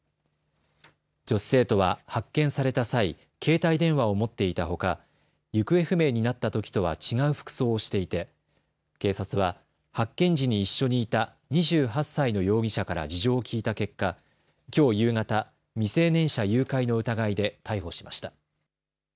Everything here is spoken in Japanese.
女子生徒は発見された際、携帯電話を持っていたほか行方不明になったときとは違う服装をしていて警察は発見時に一緒にいた２８歳の容疑者から事情を聴いた結果、きょう夕方、未成年者誘拐の疑いで逮捕しました。